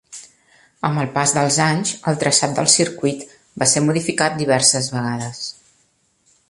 Amb el pas dels anys, el traçat del circuit va ser modificat diverses vegades.